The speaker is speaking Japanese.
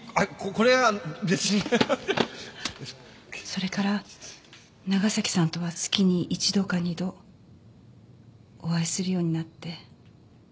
それから長崎さんとは月に一度か二度お会いするようになって。